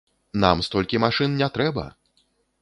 Нам столькі машын не трэба!